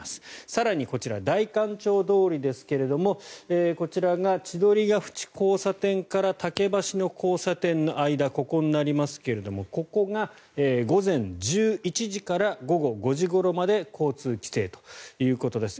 更にこちら、代官町通りですがこちらが千鳥ヶ淵交差点から竹橋の交差点の間ここになりますがここが午前１１時から午後５時ごろまで交通規制ということです。